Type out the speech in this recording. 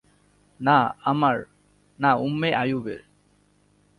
না আমার, না উম্মে আইয়ুবের।